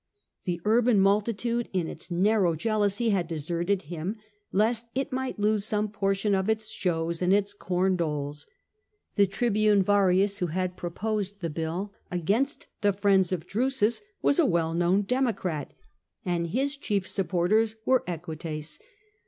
The urban multitude in its narrow jealousy had deserted him, lest it might lose some portion of its shows and its corn doles. The tribune Varius, who had proposed the bill against the friends of Drusus, was a well known Democrat, and his chief supporters were Equites.